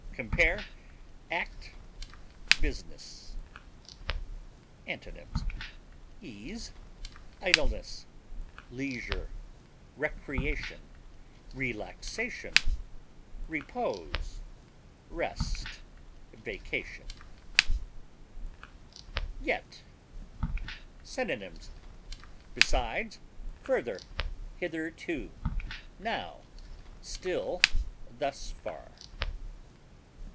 Compare ACT; BUSINESS. Antonyms: ease, leisure, recreation, relaxation, repose, rest, vacation. idleness, YET. Synonyms: besides, further, hitherto, now, still, thus far.